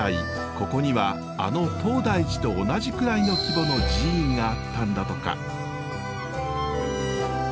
ここにはあの東大寺と同じくらいの規模の寺院があったんだとか。